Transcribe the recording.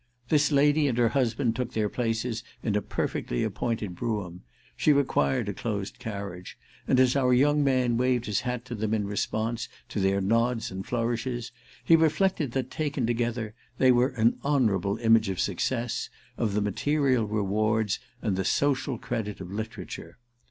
This lady and her husband took their places in a perfectly appointed brougham—she required a closed carriage—and as our young man waved his hat to them in response to their nods and flourishes he reflected that, taken together, they were an honourable image of success, of the material rewards and the social credit of literature.